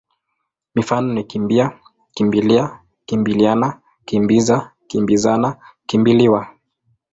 Mifano ni kimbi-a, kimbi-lia, kimbili-ana, kimbi-za, kimbi-zana, kimbi-liwa.